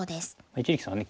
一力さんはね